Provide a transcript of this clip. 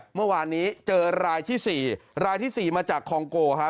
เมื่อวานนี้เจอรายที่๔รายที่๔มาจากคองโกฮะ